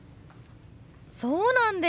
そうなんですか！